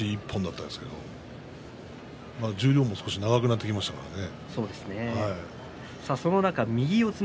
前までは押し一本だったんですけれども十両も少し長くなってきましたからね。